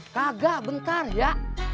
kagak bentar ya